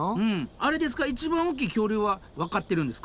あれですか一番大きい恐竜はわかってるんですか？